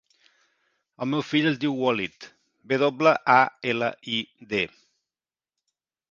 El meu fill es diu Walid: ve doble, a, ela, i, de.